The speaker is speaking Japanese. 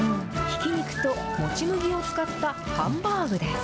ひき肉ともち麦を使ったハンバーグです。